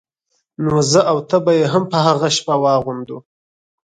نو زه او ته به يې هم په هغه شپه واغوندو.